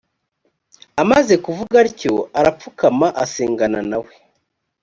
amaze kuvuga atyo arapfukama asengana nawe